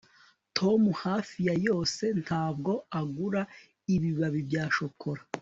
tom hafi ya yose ntabwo agura ibibari bya shokora